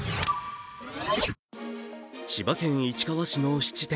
千葉県市川市の質店。